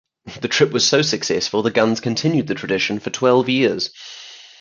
The trip was so successful, the Gunns continued the tradition for twelve years.